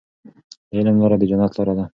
د علم لاره د جنت لاره ده.